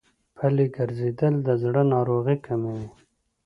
پلي ګرځېدل د زړه ناروغۍ کموي.